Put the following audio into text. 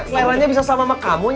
lelahnya bisa sama sama kamu nek